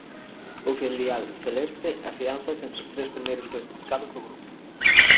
O filial celeste afiánzase entre os tres primeiros clasificados do grupo.